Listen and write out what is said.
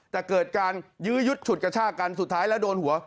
แต่เกิดการยื้อยุดฉุดกระชากันสุดท้ายแล้วโดนหัว